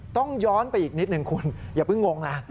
ต้องย้อนไปอีกนิดหนึ่งคุณอย่าเพิ่งงงนะ